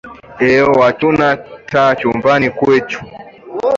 Eoo hachuna taa chumbani kwechu